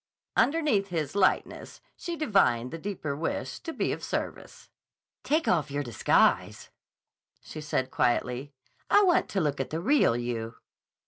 Underneath his lightness, she divined the deeper wish to be of service. "Take off your disguise," she said quietly, "I want to look at the real you."